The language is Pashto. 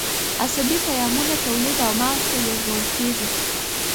عصبي پیغامونه تولید او مغز ته لیږدول کېږي.